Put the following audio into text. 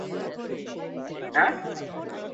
Radio শিল্পী হিসাবেও তিনি নিয়মিত কাজ করেছেন।